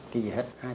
kỳ gì hết